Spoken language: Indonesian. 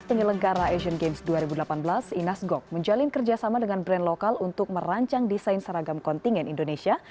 penyelenggara asian games dua ribu delapan belas inas gok menjalin kerjasama dengan brand lokal untuk merancang desain seragam kontingen indonesia